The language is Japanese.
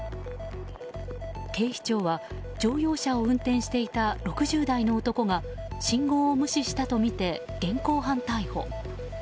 警視庁は乗用車を運転していた６０代の男が信号を無視したとみて現行犯逮捕。